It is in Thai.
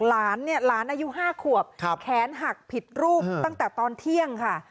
หลานอายุ๕ขวบแขนหักผิดรูปตั้งแต่ตอนเที่ยงค่ะ